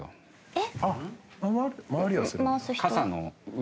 えっ？